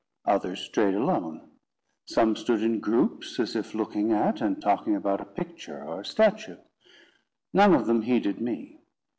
Others strayed alone. Some stood in groups, as if looking at and talking about a picture or a statue. None of them heeded me.